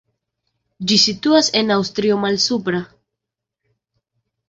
Ĝi situas en Aŭstrio Malsupra.